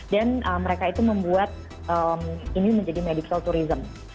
dan mereka itu membuat ini menjadi medical tourism